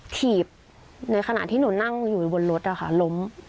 ถีบค่ะในขณะที่หนูนั่งอยู่บนรถล้ม